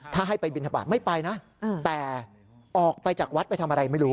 ถ้าให้ไปบินทบาทไม่ไปนะแต่ออกไปจากวัดไปทำอะไรไม่รู้